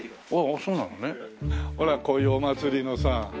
ほらこういうお祭りのさ